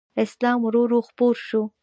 اسلام ورو ورو خپور شو